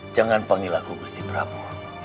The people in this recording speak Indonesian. jangan panggil aku gusti prabu